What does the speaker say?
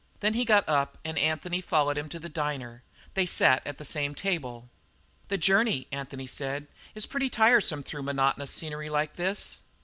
Then he got up and Anthony followed him to the diner. They sat at the same table. "The journey," said Anthony, "is pretty tiresome through monotonous scenery like this."